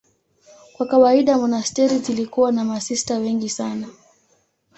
Kwa kawaida monasteri zilikuwa na masista wengi sana.